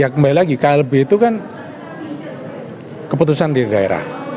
ya kembali lagi klb itu kan keputusan di daerah